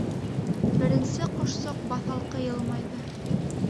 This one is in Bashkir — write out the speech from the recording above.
Беренсе ҡошсоҡ баҫалҡы йылмайҙы.